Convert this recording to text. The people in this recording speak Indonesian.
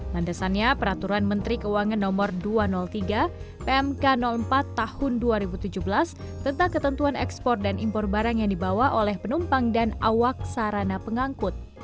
landasannya peraturan menteri keuangan no dua ratus tiga pmk empat tahun dua ribu tujuh belas tentang ketentuan ekspor dan impor barang yang dibawa oleh penumpang dan awak sarana pengangkut